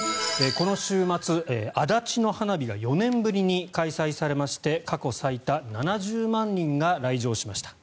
この週末、足立の花火が４年ぶりに開催されまして過去最多７０万人が来場しました。